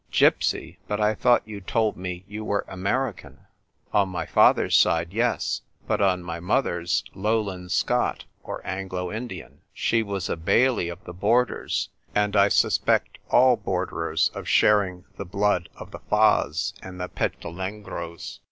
" Gypsy — but I thought you told me you were American ?"" On my father's side, yes ; but on my mother's Lowland Scot or Anglo Indian. She was a Baillie of the Borders; and I suspect all borderers of sharing the blood of the Faas and the Petulengros.